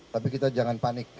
tapi kita jangan panik